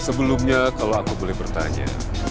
sebelumnya kalau aku boleh bertanya